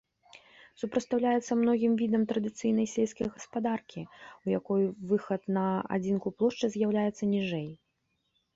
Супрацьпастаўляецца многім відам традыцыйнай сельскай гаспадаркі, у якой выхад на адзінку плошчы з'яўляецца ніжэй.